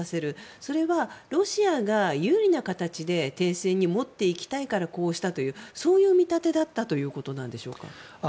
それはロシアが有利な形で停戦に持っていきたいから呼応したというそういう見立てだったということなんでしょうか。